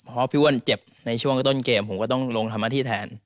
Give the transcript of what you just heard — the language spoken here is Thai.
พอพี่ว่านเจ็บในช่วงต้นเกมผมก็ต้องลงธรรมชาติแทน